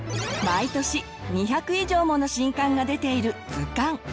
毎年２００以上もの新刊が出ている図鑑。